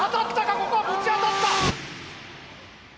ここはぶち当たった！